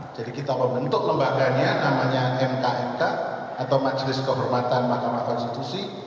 jadi kita membentuk lembaganya namanya mkmk atau majelis kehormatan mahkamah konstitusi